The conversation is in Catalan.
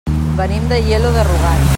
Venim d'Aielo de Rugat.